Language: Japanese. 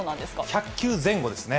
１００球前後ですね。